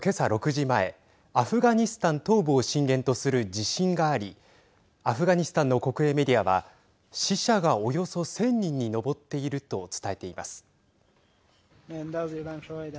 ６時前アフガニスタン東部を震源とする地震がありアフガニスタンの国営メディアは死者が、およそ１０００人に上っていると伝えています。